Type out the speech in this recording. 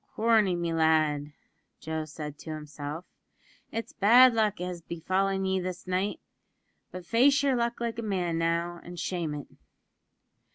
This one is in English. "Corney, me lad," said Joe to himself, "it's bad luck has befallen ye this night; but face yer luck like a man now, and shame it."